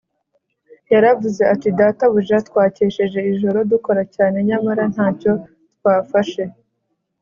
yaravuze ati: “databuja, twakesheje ijoro dukora cyane, nyamara ntacyo twafashe